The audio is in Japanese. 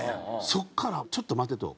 そこからちょっと待てと。